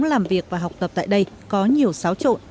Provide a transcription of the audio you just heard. làm việc và học tập tại đây có nhiều xáo trộn